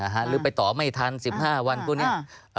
หรือไปต่อไม่ทัน๑๕วันพวกนี้